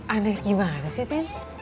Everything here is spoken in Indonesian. aneh gimana sih